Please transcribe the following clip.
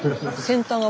先端が。